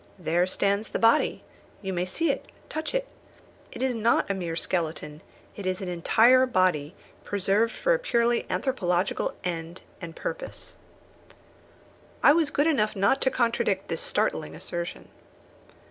There stands the body! You may see it, touch it. It is not a mere skeleton; it is an entire body, preserved for a purely anthropological end and purpose." I was good enough not to contradict this startling assertion.